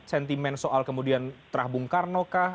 sentimen soal kemudian terah bung karno kah